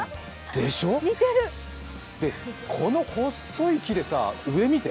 でしょ、この細い木でさ、上見て。